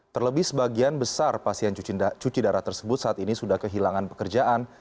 terlebih sebagian besar pasien cuci darah tersebut saat ini sudah kehilangan pekerjaan